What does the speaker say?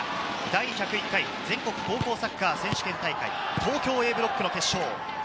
第１０１回全国高校サッカー選手権大会、東京Ａブロックの決勝。